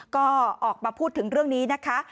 ก็ออกมาพูดถึงเรื่องนี้นะคะ